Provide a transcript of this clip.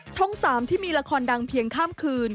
๓ที่มีละครดังเพียงข้ามคืน